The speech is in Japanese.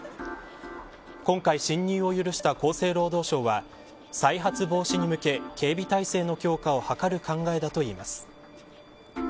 今回、侵入を許した厚生労働省は再発防止に向け、警備体制の強化を図る考えだといいます。